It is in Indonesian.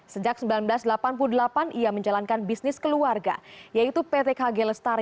sejak seribu sembilan ratus delapan puluh delapan ia menjalankan bisnis keluarga yaitu pt kg lestari